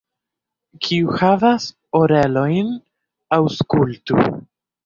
Kiu havas orelojn, aŭskultu!